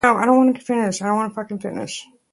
They advise the queen in dispensing duties as a monarch.